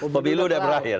pemilu udah berakhir